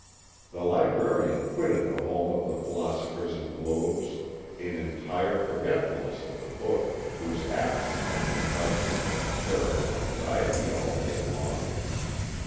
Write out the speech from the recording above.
The librarian quitted the home of the Philosophers and Globes in entire forgetfulness of the book whose absence had been causing him such horrible anxiety all day long.